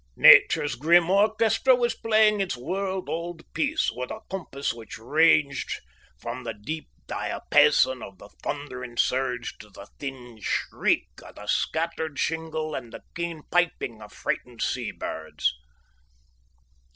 Nature's grim orchestra was playing its world old piece with a compass which ranged from the deep diapason of the thundering surge to the thin shriek of the scattered shingle and the keen piping of frightened sea birds.